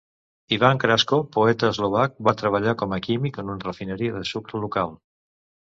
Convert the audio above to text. Ivan Krasko, poeta eslovac, va treballar com a químic en una refineria de sucre local.